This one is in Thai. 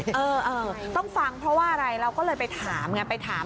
เออต้องฟังเพราะว่าอะไรเราก็เลยไปถามไงไปถาม